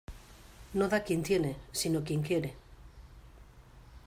No da quien tiene, sino quien quiere.